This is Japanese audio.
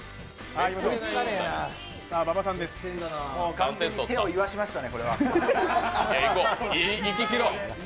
完全に手をいわしましたね。